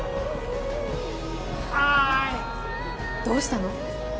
どうしたの！？